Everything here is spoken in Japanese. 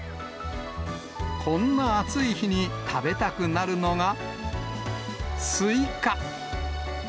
こんな暑い日に食べたくなるのがスイカ。